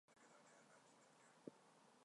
ee wauza silaha kule halafu na wale wachimba mafuta